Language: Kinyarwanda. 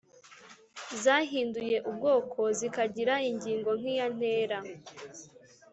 zahinduye ubwoko zikagira ingingo nk’iya ntera.